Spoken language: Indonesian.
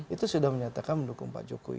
itu sudah menyatakan mendukung pak jokowi